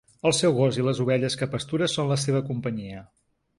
El seu gos i les ovelles que pastura són la seva companyia.